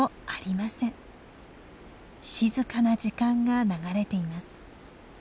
静かな時間が流れています。